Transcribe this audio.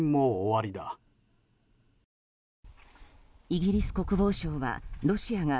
イギリス国防省は、ロシアが